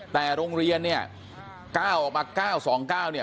แต่โรงเรียนนี่๙๙สอง๙๙เนี่ย